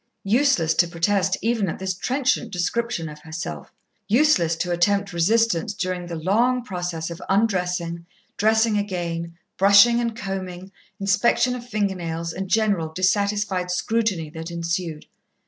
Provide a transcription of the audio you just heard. Useless to protest even at this trenchant description of herself. Useless to attempt resistance during the long process of undressing, dressing again, brushing and combing, inspection of finger nails and general, dissatisfied scrutiny that ensued.